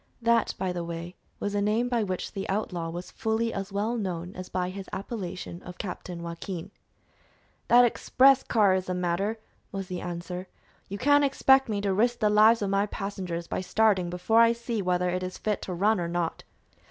That, by the way, was a name by which the outlaw was fully as well known as by his appellation of Captain Joaquin. "That express car is the matter," was the answer. "You can't expect me to risk the lives of my passengers by starting before I see whether it is fit to run or not."